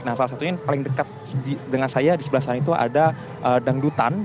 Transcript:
nah salah satunya yang paling dekat dengan saya di sebelah sana itu ada dangdutan